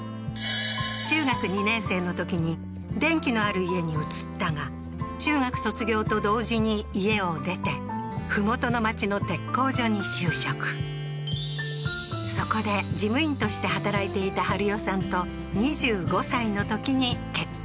中学２年生のときに電気のある家に移ったが中学卒業と同時に家を出て麓の町の鉄工所に就職そこで事務員として働いていた春代さんと２５歳のときに結婚